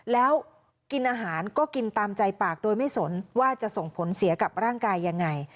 แล้วกินอาหารก็กินตามใจปากโดยไม่สนว่าจะส่งผลเสียกับร่างกายยังไง